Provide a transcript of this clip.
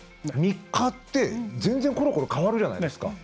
３日って、全然ころころ変わるじゃないですか。